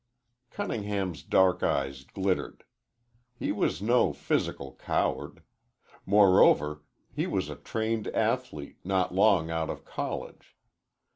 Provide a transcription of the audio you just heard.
Cunningham's dark eyes glittered. He was no physical coward. Moreover, he was a trained athlete, not long out of college.